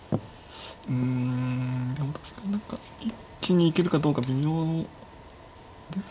うんでも確かに何か一気に行けるかどうか微妙ですか。